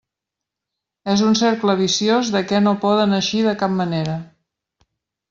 És un cercle viciós de què no poden eixir de cap manera.